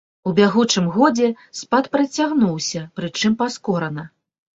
У бягучым годзе спад працягнуўся, прычым паскорана.